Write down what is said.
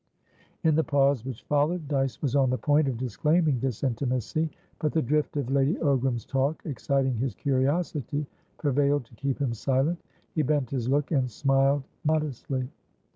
In the pause which followed, Dyce was on the point of disclaiming this intimacy; but the drift of Lady Ogram's talk, exciting his curiosity, prevailed to keep him silent. He bent his look and smiled modestly.